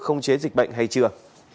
không chế dịch bệnh hay chưa